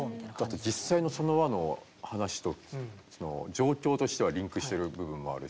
だって実際のその話の話と状況としてはリンクしてる部分もあるし。